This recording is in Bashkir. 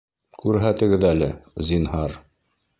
Күрһәтегеҙ әле, зинһар